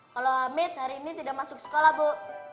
kalau amit hari ini tidak masuk sekolah bu